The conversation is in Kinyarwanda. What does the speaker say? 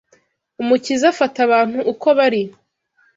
Umukiza afata abantu uko bari